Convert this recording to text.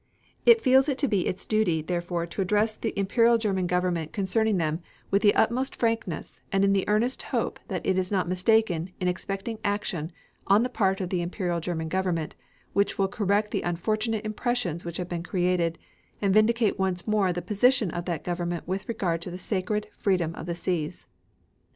It feels it to be its duty, therefore, to address the Imperial German Government concerning them with the utmost frankness and in the earnest hope that it is not mistaken in expecting action on the part of the Imperial German Government, which will correct the unfortunate impressions which have been created, and vindicate once more the position of that government with regard to the sacred freedom of the seas.